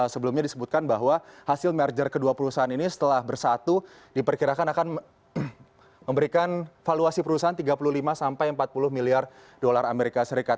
sebelumnya disebutkan bahwa hasil merger kedua perusahaan ini setelah bersatu diperkirakan akan memberikan valuasi perusahaan tiga puluh lima sampai empat puluh miliar dolar amerika serikat